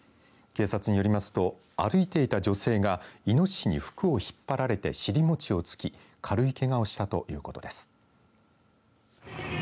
警察によりますと歩いていた女性がイノシシに服を引っ張られて尻餅をつき軽いけがをしたということです。